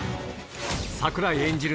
櫻井演じる